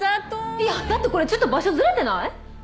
いやだってこれちょっと場所ズレてない？